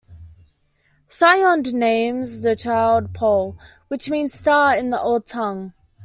Sioned names the child Pol, which means "star" in the Old Tongue.